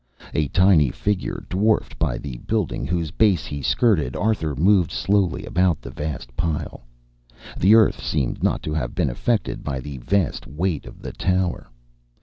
A tiny figure, dwarfed by the building whose base he skirted, Arthur moved slowly about the vast pile. The earth seemed not to have been affected by the vast weight of the tower.